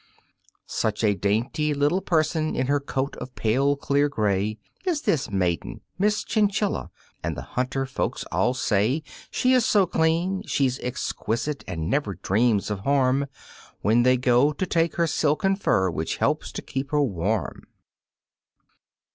Such a dainty little person in her coat of pale, clear gray, Is this maiden, Miss Chinchilla, and the hunter folks all say She is so clean she's exquisite and never dreams of harm When they go to take her silken fur which helps to keep her warm.